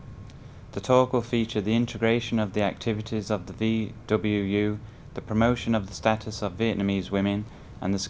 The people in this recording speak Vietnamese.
ngay sau tiểu mục chuyện việt nam sẽ là tiểu mục chuyện xa xứ với câu chuyện của một người dân đang sống và làm việc ở xa tổ quốc